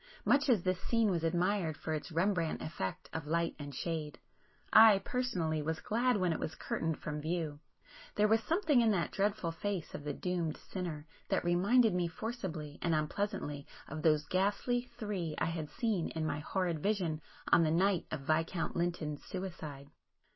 Much as this scene was admired for its Rembrandt effect of light and shade, I, personally, was glad when it was curtained from view; there was something in the dreadful face of the doomed sinner that reminded me forcibly and unpleasantly of those ghastly Three I had seen in my horrid vision on the night of Viscount Lynton's suicide.